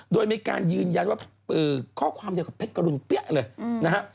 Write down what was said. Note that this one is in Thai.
โดยมีการยืนยันว่าข้อความเดียวกับเพชรกรุณเปี้ยเลยนะฮะ